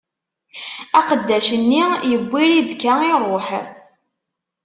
Aqeddac-nni yewwi Ribka, iṛuḥ.